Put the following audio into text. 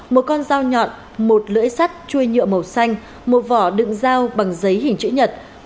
một con dao nhọn một lưỡi sắt chuôi nhựa màu xanh một vỏ đựng dao bằng giấy hình chữ nhật